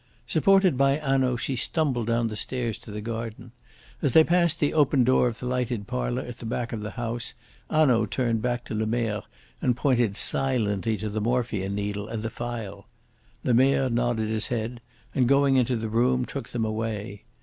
Supported by Hanaud she stumbled down the stairs to the garden. As they passed the open door of the lighted parlour at the back of the house Hanaud turned back to Lemerre and pointed silently to the morphia needle and the phial. Lemerre nodded his head, and going into the room took them away.